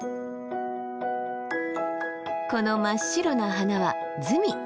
この真っ白な花はズミ。